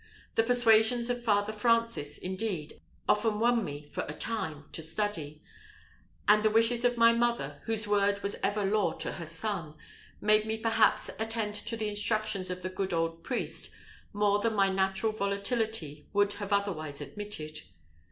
The persuasions of Father Francis, indeed, often won me for a time to study, and the wishes of my mother, whose word was ever law to her son, made me perhaps attend to the instructions of the good old priest more than my natural volatility would have otherwise admitted.